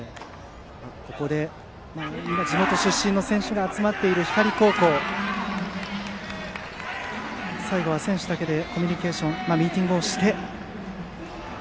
ここで地元出身の選手が集まっている光高校、最後は選手だけでコミュニケーションミーティングして。